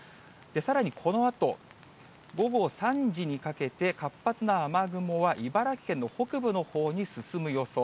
さらにこのあと、午後３時にかけて、活発な雨雲は茨城県の北部のほうに進む予想。